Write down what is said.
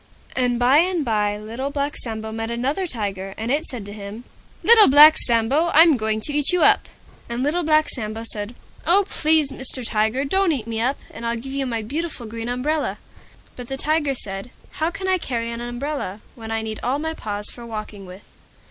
And by and by Little Black Sambo met another Tiger, and it said to him, "Little Black Sambo, I'm going to eat you up!" And Little Black Sambo said, "Oh! Please Mr. Tiger, don't eat me up, and I'll give you my beautiful Green Umbrella." But the Tiger said, "How can I carry an umbrella, when I need all my paws for walking with?"